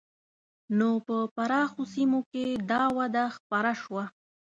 نو په پراخو سیمو کې دا وده خپره شوه.